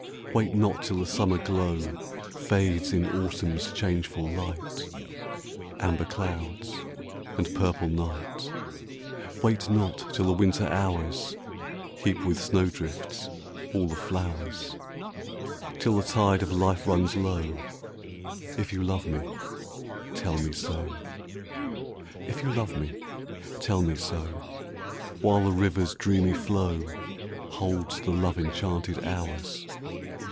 Wait not till the summer glow Fades in autumn's changeful light, Amber clouds and purple night ; Wait not till the winter hours Heap with snowdrifts all the flowers, Till the tide of life runs low, — If you love me, tell me so. If you love me, tell me so. While the river's dreamy flow Holds the love enchanted hours.